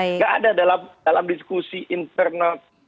nggak ada dalam diskusi internal